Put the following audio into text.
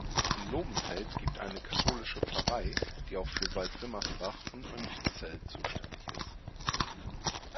In Lobenfeld gibt eine katholische Pfarrei, die auch für Waldwimmersbach und Mönchzell zuständig ist.